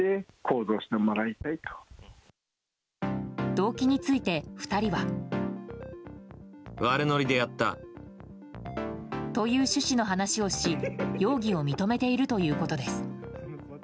動機について２人は。という趣旨の話をし容疑を認めているということです。